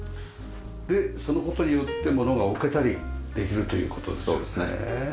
その事によってものが置けたりできるという事ですよね。